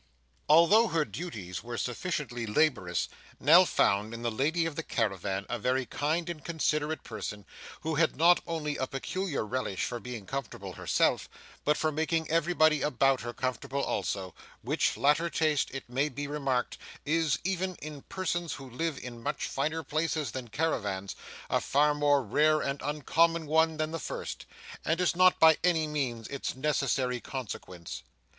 Although her duties were sufficiently laborious, Nell found in the lady of the caravan a very kind and considerate person, who had not only a peculiar relish for being comfortable herself, but for making everybody about her comfortable also; which latter taste, it may be remarked, is, even in persons who live in much finer places than caravans, a far more rare and uncommon one than the first, and is not by any means its necessary consequence.